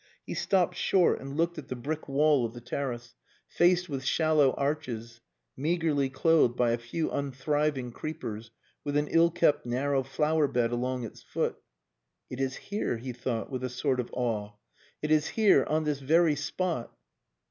He stopped short and looked at the brick wall of the terrace, faced with shallow arches, meagrely clothed by a few unthriving creepers, with an ill kept narrow flower bed along its foot. "It is here!" he thought, with a sort of awe. "It is here on this very spot...."